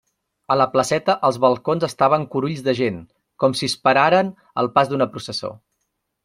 A la placeta, els balcons estaven curulls de gent, com si esperaren el pas d'una processó.